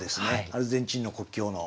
アルゼンチンの国境の。